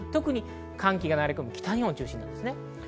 寒気が流れ込む北日本が中心です。